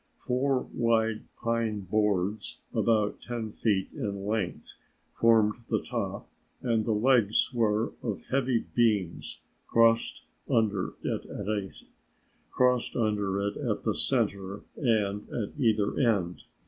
Four wide pine boards about ten feet in length formed the top and the legs were of heavy beams crossed under it at the center and at either end.